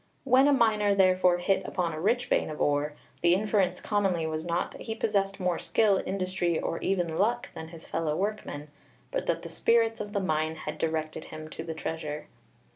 'When a miner therefore hit upon a rich vein of ore, the inference commonly was not that he possessed more skill, industry, or even luck than his fellow workmen, but that the spirits of the mine had directed him to the treasure.'